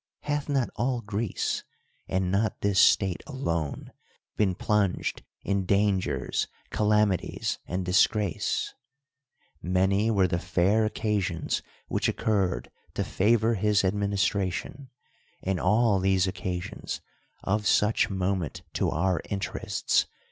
Hath not all (ireeee, and not this state alone, been plunged in dangers, calami tics, and disgrace? Many were the fair occasions wliich occurred to favor his administrati(ni ; and all th('S(! occasions, of such moment to our intei' csls.